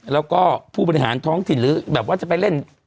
แล้วก็ผู้บริหารท้องถิ่นหรือแบบว่าจะไปเล่น